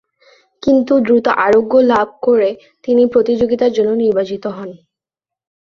কিন্তু দ্রুত আরোগ্য লাভ করে তিনি প্রতিযোগিতার জন্য নির্বাচিত হন।